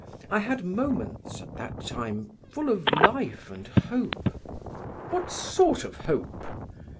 I had moments at that time full of life and hope." "What sort of hope?"